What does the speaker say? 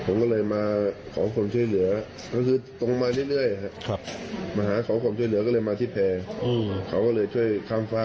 นัดเดียวค่ะ